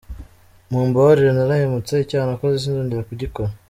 Mumbabarire narahemutse, icyaha nakoze sinzongera kugikora.